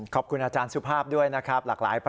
ขอบคุณอาจารย์สุภาพด้วยนะครับ